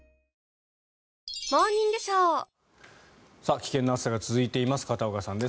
危険な暑さが続いています片岡さんです